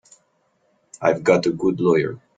I've got a good lawyer.